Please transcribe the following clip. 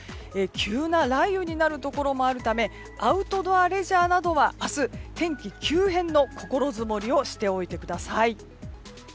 急な雷雨になるところもあるためアウトドアレジャーなどは明日、天気急変の心づもりをしておいてください。